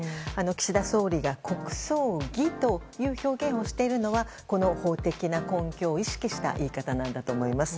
岸田総理が国葬儀という表現をしているのはこの法的な根拠を意識した言い方なんだと思います。